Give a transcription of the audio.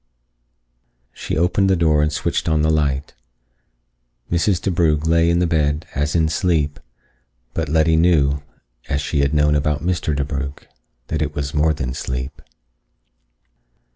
She opened the door and switched on the light. Mrs. DeBrugh lay in the bed as in sleep, but Letty knew, as she had known about Mr. DeBrugh, that it was more than sleep.